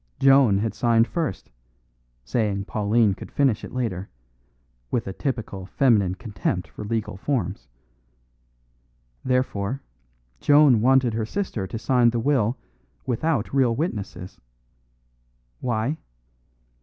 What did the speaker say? Joan had signed first, saying Pauline could finish it later, with a typical feminine contempt for legal forms. Therefore, Joan wanted her sister to sign the will without real witnesses. Why?